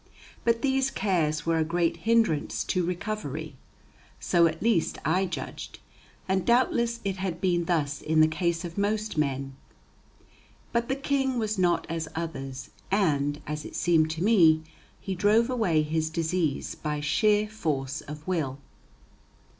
But these cares were a great hindrance to recovery. So at least I judged, and doubtless it had been thus in the case of most men. But the King was not as others, and, as it seemed to me, he drove away his disease by sheer force of will.